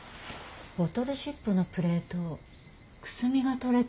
ボトルシップのプレートくすみが取れてる。